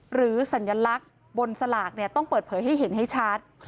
สัญลักษณ์บนสลากต้องเปิดเผยให้เห็นให้ชัด